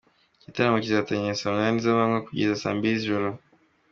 Igitaramo kizatangira saa munani z’amanywa kugeza saa mbili z’ijoro.